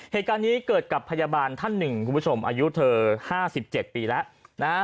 เหตุการณ์นี้เกิดกับพยาบาลท่านหนึ่งคุณผู้ชมอายุเธอ๕๗ปีแล้วนะฮะ